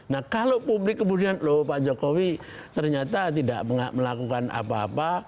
nah kalau publik kemudian loh pak jokowi ternyata tidak melakukan apa apa